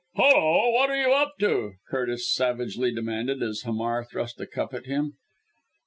"Hulloa! what are you up to?" Curtis savagely demanded, as Hamar thrust a cup at him.